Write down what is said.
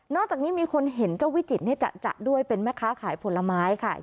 จากนี้มีคนเห็นเจ้าวิจิตจะด้วยเป็นแม่ค้าขายผลไม้ค่ะ